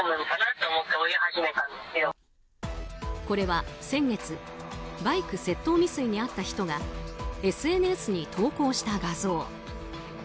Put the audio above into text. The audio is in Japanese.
これは先月バイク窃盗未遂に遭った人がＳＮＳに投稿した画像。